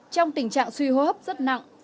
trong tình trạng suy hô hấp rất nặng